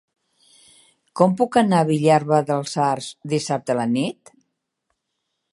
Com puc anar a Vilalba dels Arcs dissabte a la nit?